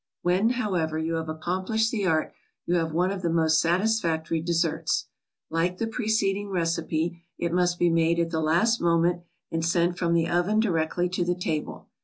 When, however, you have accomplished the art, you have one of the most satisfactory desserts. Like the preceding recipe, it must be made at the last moment and sent from the oven directly to the table.